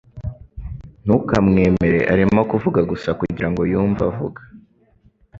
Ntukamwemere Arimo kuvuga gusa kugirango yumve avuga